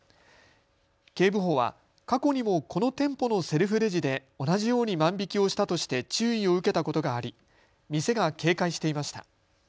警部補は過去にもこの店舗のセルフレジで同じように万引きをしたとして注意を受けたことがあり店が警戒していました。